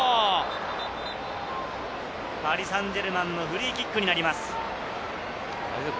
パリ・サンジェルマンのフリーキックになります。